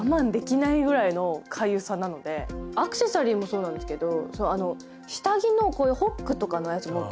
アクセサリーもそうなんですけど。